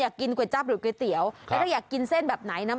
อยากกินก๋วยจับหรือก๋วยเตี๋ยวแล้วถ้าอยากกินเส้นแบบไหนนะ